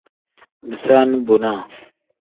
Bisaani bonaa.